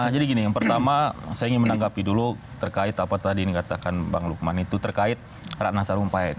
jadi gini yang pertama saya ingin menanggapi dulu terkait apa tadi yang dikatakan bang lukman itu terkait rana sarumpahit